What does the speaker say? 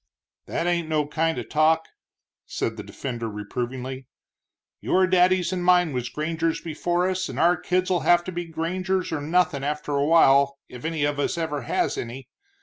"That ain't no kind of talk," said the defender, reprovingly, "your daddies and mine was grangers before us, and our kids'll have to be grangers or nothin' after a while if any of us ever has any.